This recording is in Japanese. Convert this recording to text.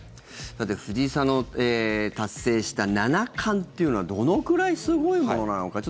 藤井さんの達成した七冠っていうのはどのくらいすごいものなのか。